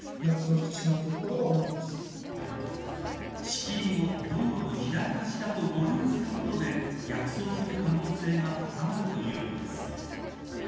仕切りを道路の左端だと誤認することで逆送する可能性が高まるというのです。